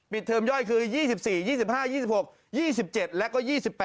เทอมย่อยคือ๒๔๒๕๒๖๒๗แล้วก็๒๘